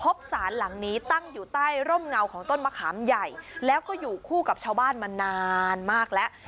สารหลังนี้ตั้งอยู่ใต้ร่มเงาของต้นมะขามใหญ่แล้วก็อยู่คู่กับชาวบ้านมานานมากแล้ว